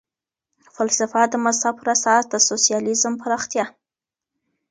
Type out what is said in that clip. فلسفه د مذهب پر اساس د سوسیالیزم پراختیا.